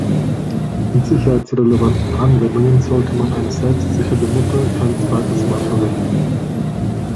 In sicherheitsrelevanten Anwendungen sollte man eine selbstsichernde Mutter kein zweites Mal verwenden.